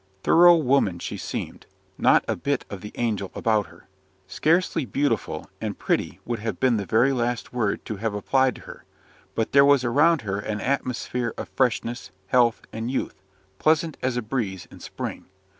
Thorough woman she seemed not a bit of the angel about her. Scarcely beautiful; and "pretty" would have been the very last word to have applied to her; but there was around her an atmosphere of freshness, health, and youth, pleasant as a breeze in spring.